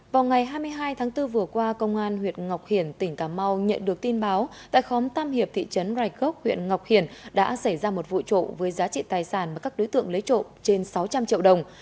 vào ngày hai mươi hai tháng bốn vừa qua công an huyện ngọc hiển tỉnh cà mau nhận được tin báo tại khóm tam hiệp thị trấn rạch gốc huyện ngọc hiển đã xảy ra một vụ trộm với giá trị tài sản mà các đối tượng lấy trộm trên sáu trăm linh triệu đồng